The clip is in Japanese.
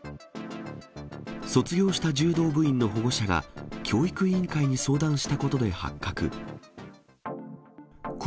卒業した柔道部員の保護者が教育委員会に相談したことで発覚。